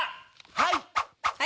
はい！